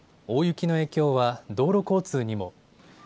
大雪の影響は道路交通にも。